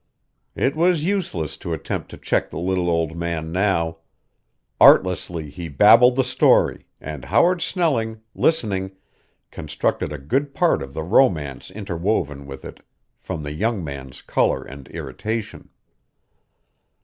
It was useless to attempt to check the little old man now. Artlessly he babbled the story, and Howard Snelling, listening, constructed a good part of the romance interwoven with it from the young man's color and irritation.